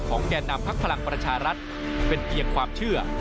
แก่นำพักพลังประชารัฐเป็นเพียงความเชื่อ